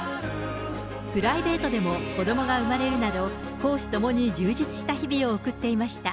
プライベートでも子どもが生まれるなど、公私ともに充実した日々を送っていました。